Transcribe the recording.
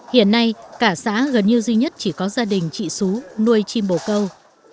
hiện nay cả xã gần như duy nhất chỉ có gia đình trị xú nuôi chim bồ câu